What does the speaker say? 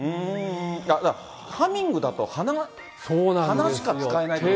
だからハミングだと鼻が、鼻しか使えないから。